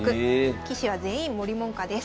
棋士は全員森門下です。